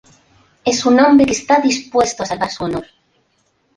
Es un hombre que está dispuesto a salvar su honor.